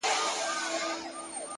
ما تاته د پرون د خوب تعبير پر مخ گنډلی!